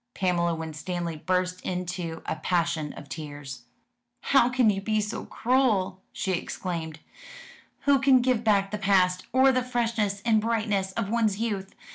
Pamela Winstanley burst into a passion of tears. "How can you be so cruel?" she exclaimed. "Who can give back the past, or the freshness and brightness of one's youth?